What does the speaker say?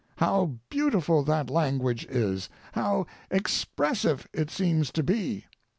How beautiful that language is. How expressive it seems to be.